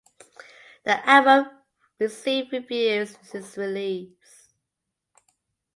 The album received reviews since its release.